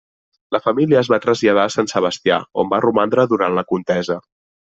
La família es va traslladar a Sant Sebastià on va romandre durant la contesa.